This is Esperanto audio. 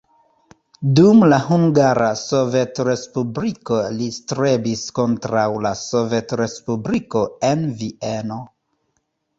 Dum la Hungara Sovetrespubliko li strebis kontraŭ la sovetrespubliko en Vieno.